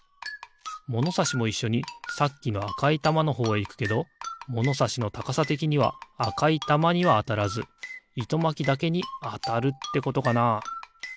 ものさしもいっしょにさっきのあかいたまのほうへいくけどものさしのたかさてきにはあかいたまにはあたらずいとまきだけにあたるってことかな？